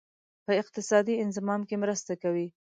په اقتصادي انضمام کې مرسته کوي.